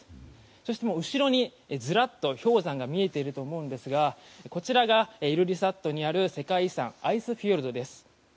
そして、後ろにずらっと氷山が見えていると思うんですがこちらがイルリサットにある世界遺産アイスフィヨルドです。